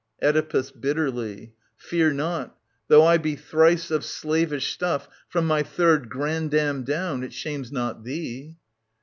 Oedipus {bitterly). Fear not !... Though I be thrice of slavish stuff From my third grand dam down, it shames not thee.